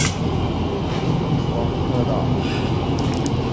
双车道。